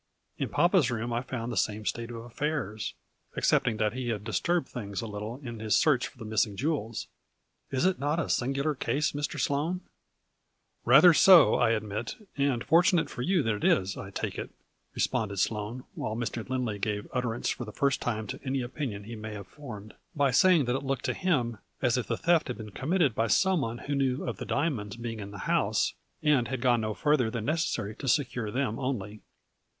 In papa's room I found the same state of affairs, excepting that he had disturbed things a little in his search for the missing jewels. Is it not a sin gular case, Mr. Sloane ?"" Rather so, I admit, and fortunate for you that it is, I take it," responded Sloane, while Mr. Lindley gave utterance for the first time to any opinion he may have formed, by saying that it looked to him as if the theft had been committed by some one who knew of the dia monds being in the house, and had gorle no farther than necessary to secure them only.